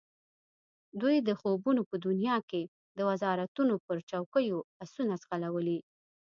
دوی د خوبونو په دنیا کې د وزارتونو پر چوکیو آسونه ځغلولي.